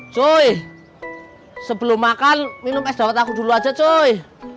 joy sebelum makan minum es dawet aku dulu aja coy